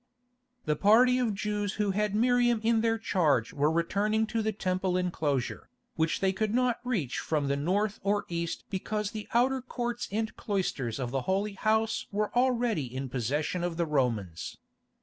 The party of Jews who had Miriam in their charge were returning to the Temple enclosure, which they could not reach from the north or east because the outer courts and cloisters of the Holy House were already in possession of the Romans.